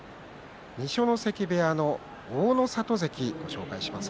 二所ノ関部屋の大の里関ご紹介します。